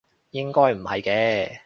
應該唔係嘅